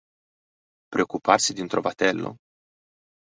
Preoccuparsi di un trovatello?